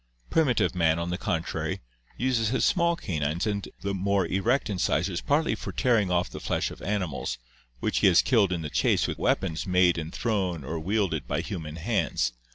Primitive man, on the contrary, uses his small canines and more erect incisors partly for tearing off the flesh of animals, which he has killed in the chase with weapons made and thrown or wielded by human hands.